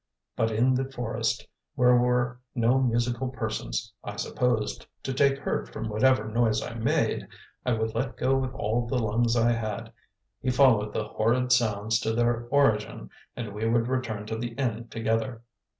But in the forest where were no musical persons (I supposed) to take hurt from whatever noise I made, I would let go with all the lungs I had; he followed the horrid sounds to their origin, and we would return to the inn together.